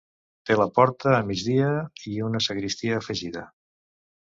Té la porta a migdia i una sagristia afegida.